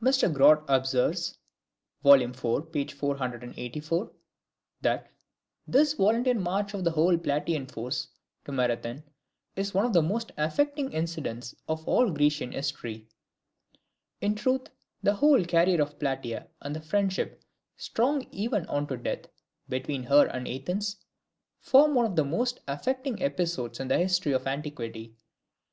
[Mr. Grote observes (vol. iv. p. 484), that "this volunteer march of the whole Plataean force to Marathon is one of the most affecting incidents of all Grecian history." In truth, the whole career of Plataea, and the friendship, strong even unto death, between her and Athens, form one of the most affecting episodes in the history of antiquity.